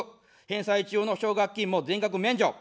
返済中の奨学金も全額免除。